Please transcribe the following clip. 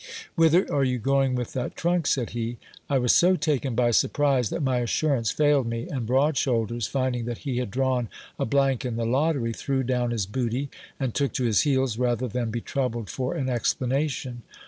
Whither are you going with that trunk ? said he. I was so taken by surprise that my assurance failed me ; and broad shoulders, finding that he had drawn a blank in the lottery, threw down his booty, and took to his heels, rather than be troubled for an explanation.